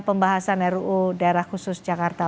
pembahasan ruu daerah khusus jakarta